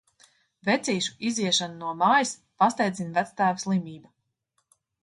Vecīšu iziešanu no mājas pasteidzina vectēva slimība.